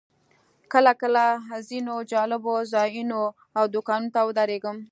کله کله ځینو جالبو ځایونو او دوکانونو ته ودرېږم.